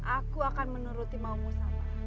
aku akan menuruti maumu sama